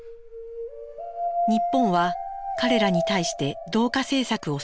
日本は彼らに対して同化政策を進めます。